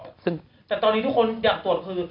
แต่ตอนนี้ทุกคนอยากตรวจคือ